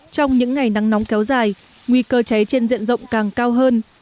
trong những ngày nắng nóng kéo dài nguy cơ cháy trên diện rộng càng cao hơn